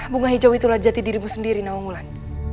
bunga hijau itulah jati dirimu sendiri nawa mulan